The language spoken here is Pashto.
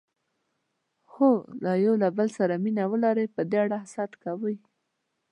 خو که یو له بل سره مینه ولري، په دې اړه حسد کوي.